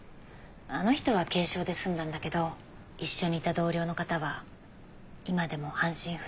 あの人は軽傷で済んだんだけど一緒にいた同僚の方は今でも半身不随のまま。